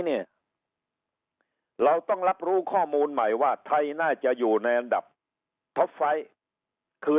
เนี่ยเราต้องรับรู้ข้อมูลใหม่ว่าไทยน่าจะอยู่ในอันดับท็อปไฟต์คือ